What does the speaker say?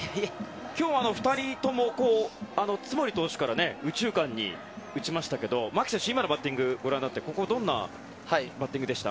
今日は津森投手から右中間に打ちましたが牧選手、今のバッティングをご覧になってどんなバッティングでした？